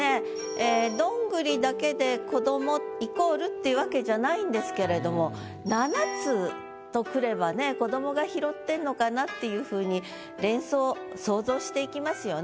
ええどんぐりだけで子どもイコールっていうわけじゃないんですけれども「七つ」とくればねっていうふうに連想想像していきますよね。